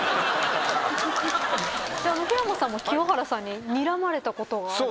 桧山さんも清原さんににらまれたことがあると。